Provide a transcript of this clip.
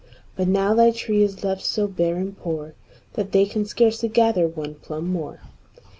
But now thy tree is left so bare and poor, That they can scarcely gather one plumb more.